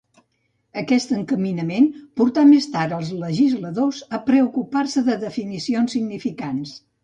Aquest encaminament portà més tard els legisladors a preocupar-se de definicions significants.